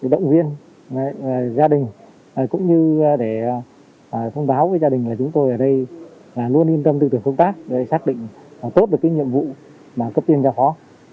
động viên gia đình cũng như để phong báo với gia đình là chúng tôi ở đây là luôn yên tâm tư tưởng công tác để xác định tốt được cái nhiệm vụ mà cấp tiền cho họ